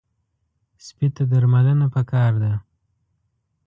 سپي ته درملنه پکار ده.